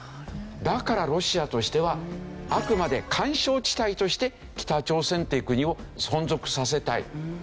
だからロシアとしてはあくまで緩衝地帯として北朝鮮っていう国を存続させたい。